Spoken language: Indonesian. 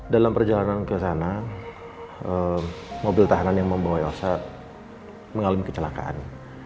dalam perjalanan ke sana mobil tahanan yang membawa yosat mengalami kecelakaan